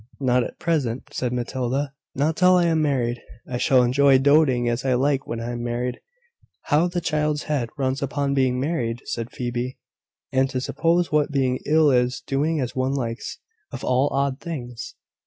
"Not at present," said Matilda: "not till I am married. I shall enjoy doing as I like when I am married." "How the child's head runs upon being married!" said Phoebe. "And to suppose that being ill is doing as one likes, of all odd things!"